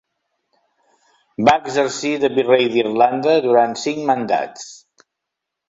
Va exercir de virrei d'Irlanda durant cinc mandats.